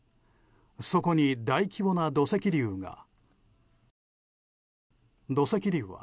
そこに、大規模な土石流が。